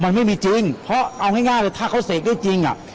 มันไม่มีจริงเพราะเอาง่ายเลยถ้าเขาเสกได้จริงอ่ะ